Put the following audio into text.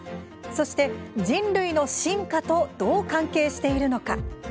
そして人類の進化とどう関係しているのか？